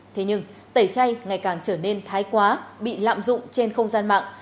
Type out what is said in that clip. thế nhưng tẩy chay ngày càng trở nên thái quá bị lạm dụng trên không gian mạng